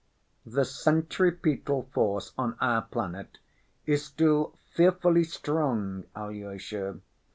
The centripetal force on our planet is still fearfully strong, Alyosha.